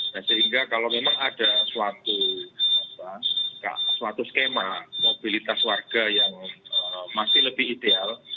nah sehingga kalau memang ada suatu skema mobilitas warga yang masih lebih ideal